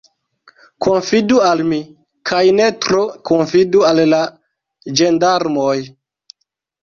Konfidu al mi, kaj ne tro konfidu al la ĝendarmoj.